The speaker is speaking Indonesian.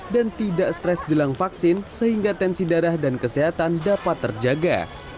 dan tidak stres jelang vaksin sehingga tensi darah dan kesehatan dapat terjaga